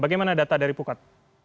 bagaimana data dari pukat